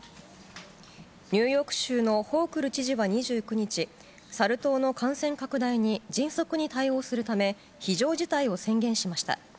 ニューヨーク州のホークル知事は２９日、サル痘の感染拡大に迅速に対応するため、非常事態を宣言しました。